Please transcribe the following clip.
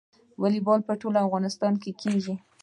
والیبال په ټول افغانستان کې کیږي.